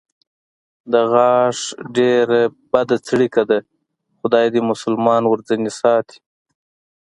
د غاښ ډېره بده څړیکه ده، خدای دې مسلمان ورځنې ساتي.